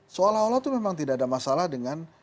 seolah olah itu memang tidak ada masalah dengan